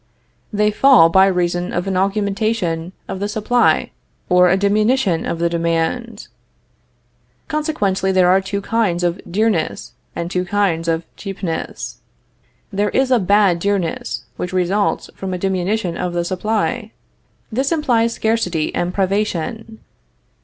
They fall by reason of an augmentation of the supply or a diminution of the demand. Consequently there are two kinds of dearness and two kinds of cheapness. There is a bad dearness, which results from a diminution of the supply; for this implies scarcity and privation.